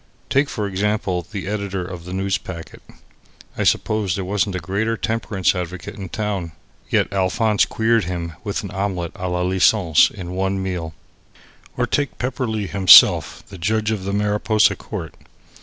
Take, for example, the editor of the Newspacket. I suppose there wasn't a greater temperance advocate in town. Yet Alphonse queered him with an Omelette a la License in one meal. Or take Pepperleigh himself, the judge of the Mariposa court.